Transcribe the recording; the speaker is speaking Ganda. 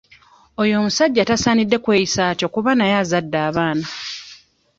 Oyo omusajja tasaanidde kweyisa atyo kuba naye azadde abaana.